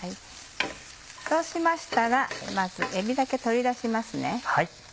そうしましたらまずえびだけ取り出しますね。